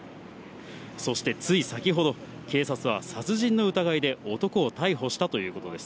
そしてつい先ほど、警察は殺人の疑いで男を逮捕したということです。